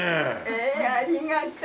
えーっありがとう。